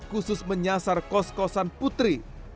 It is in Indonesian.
khusus menyasar kos kosan putri